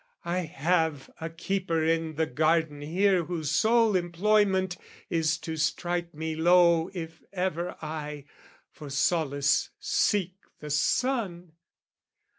"I have a keeper in the garden here "Whose sole employment is to strike me low "If ever I, for solace, seek the sun.